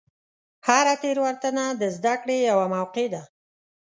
هره تېروتنه د زدهکړې یوه موقع ده.